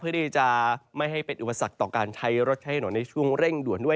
เพื่อที่จะไม่ให้เป็นอุปสรรคต่อการใช้รถใช้ถนนในช่วงเร่งด่วนด้วย